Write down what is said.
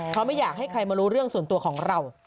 เขาไม่อยากให้ใครมารู้เรื่องส่วนตัวของเรา